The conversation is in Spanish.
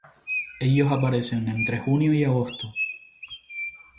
Ellas aparecen entre junio y agosto.